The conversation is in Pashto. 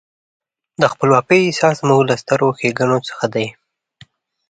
د خپلواکۍ احساس زموږ له سترو ښېګڼو څخه دی.